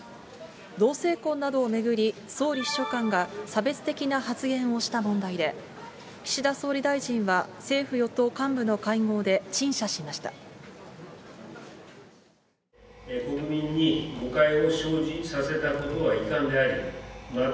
同性婚などを巡り、総理秘書官が差別的な発言をした問題で、岸田総理大臣は、政府・与党幹部の会合で陳謝しました。